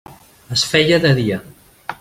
Es feia de dia.